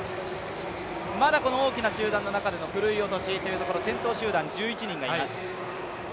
まだこの大きな集団の中でのふるい落としというところ先頭集団１１人がいます。